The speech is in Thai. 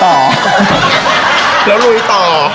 แล้วลุยต่อ